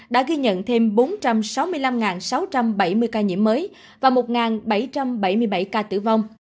đã ghi nhận thêm bốn trăm sáu mươi năm sáu trăm bảy mươi ca nhiễm mới và một bảy trăm bảy mươi bảy ca tử vong